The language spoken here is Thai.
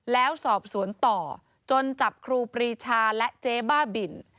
แล้วสอบสวนต่อจนจับครูปรีชาและเจ๊บ้าบิน